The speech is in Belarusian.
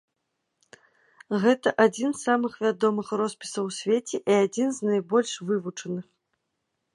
Гэта адзін з самых вядомых роспісаў у свеце, і адзін з найбольш вывучаных.